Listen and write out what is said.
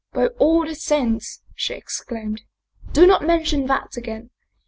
" By all the saints/' she exclaimed, " do not mention that again